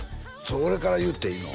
俺から言っていいの？